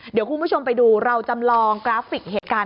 เดี๋ยวคุณผู้ชมไปดูเราจำลองกราฟิกเหตุการณ์